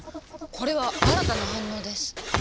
これは新たな反応です。